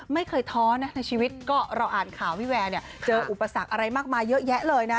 ท้อนะในชีวิตก็เราอ่านข่าวพี่แวร์เนี่ยเจออุปสรรคอะไรมากมายเยอะแยะเลยนะ